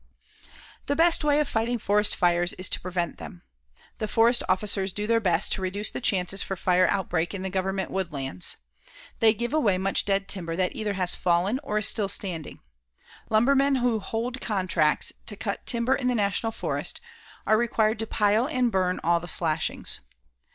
The best way of fighting forest fires is to prevent them. The forest officers do their best to reduce the chances for fire outbreak in the Government woodlands. They give away much dead timber that either has fallen or still is standing. Lumbermen who hold contracts to cut timber in the National Forest are required to pile and burn all the slashings.